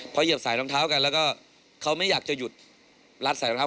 พอเหยียบสายรองเท้ากันแล้วก็เขาไม่อยากจะหยุดรัดใส่รองเท้า